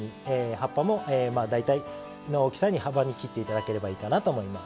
葉っぱも大体の大きさの幅に切って頂ければいいかと思います。